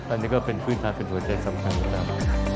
อันนี้ก็เป็นพื้นทางเป็นประเทศสำคัญนะครับ